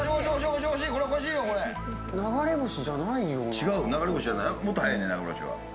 違う、流れ星じゃない、もっと速いよね、流れ星は。